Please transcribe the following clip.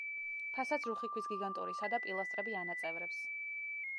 ფასადს რუხი ქვის გიგანტური სადა პილასტრები ანაწევრებს.